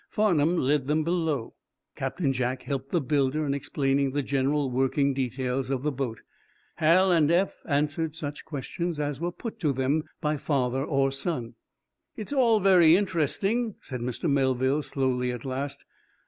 Farnum led them below. Captain Jack helped the builder in explaining the general working details of the boat. Hal and Eph answered such questions as were put to them by father or son. "It's all very interesting," said Mr. Melville, slowly, at last.